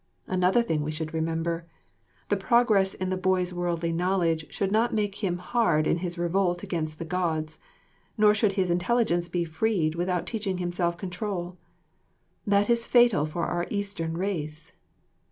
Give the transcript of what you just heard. Another thing we should remember: the progress in the boy's worldly knowledge should not make him hard in his revolt against his Gods, nor should his intelligence be freed without teaching him self control. That is fatal for our Eastern race.